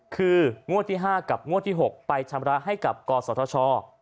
คืองวดที่๕กับงวดที่๖ไปชำระให้กับกศธช